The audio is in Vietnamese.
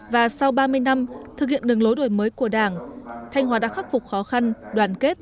và sau ba mươi năm thực hiện đường lối đổi mới của đảng thanh hóa đã khắc phục khó khăn đoàn kết